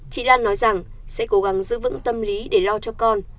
chị lan nói rằng sẽ cố gắng giữ vững tâm lý để lo cho con